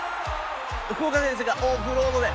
福岡選手がオフロードで。